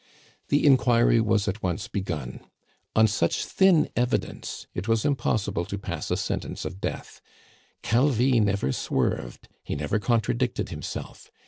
The inquiry was at once begun. On such thin evidence it was impossible to pass a sentence of death. Calvi never swerved, he never contradicted himself.